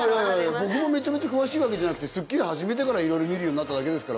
僕もめちゃめちゃ詳しいわけじゃなくて『スッキリ』始めてからいろいろ見るようになっただけですから。